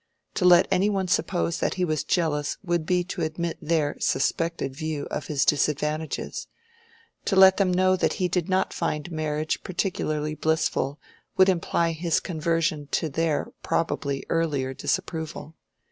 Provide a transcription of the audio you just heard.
To let any one suppose that he was jealous would be to admit their (suspected) view of his disadvantages: to let them know that he did not find marriage particularly blissful would imply his conversion to their (probably) earlier disapproval.